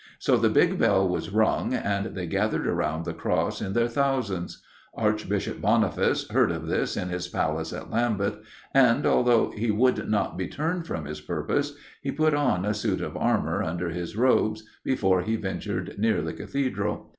So the big bell was rung, and they gathered round the Cross in their thousands. Archbishop Boniface heard of this in his Palace at Lambeth, and, although he would not be turned from his purpose, he put on a suit of armour under his robes before he ventured near the Cathedral.